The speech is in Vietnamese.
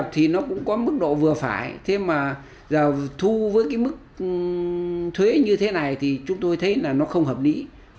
thì nó cũng có mức độ vừa phải thế mà thu với cái mức thuế như thế này thì chúng tôi thấy là nó không hợp lý